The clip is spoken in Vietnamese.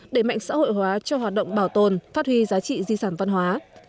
để mạnh xã hội hóa cho hoạt động bảo tồn phát huy giá trị di sản văn hóa